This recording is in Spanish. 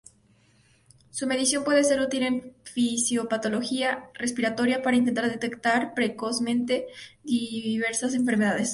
Su medición puede ser útil en fisiopatología respiratoria para intentar detectar precozmente diversas enfermedades.